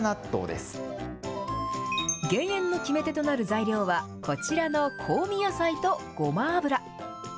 減塩の決め手となる材料は、こちらの香味野菜とごま油。